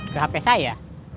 ke hp saya